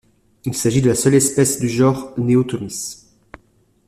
Il s'agit de la seule espèce du genre Neotomys.